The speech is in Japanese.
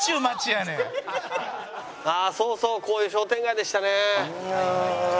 ああそうそうこういう商店街でしたね。